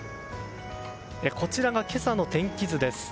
こちらが今朝の天気図です。